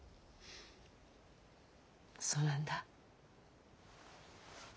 そうなんだ。